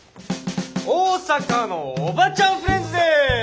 大阪のおばちゃんフレンズです。